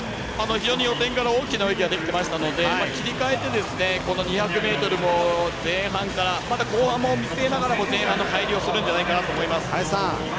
非常に予選から大きな泳ぎができていましたので切り替えて２００ｍも前半から、後半も見据えながらかえりをするんじゃないかと思います。